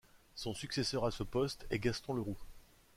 Son successeur à ce poste est Gaston Leroux.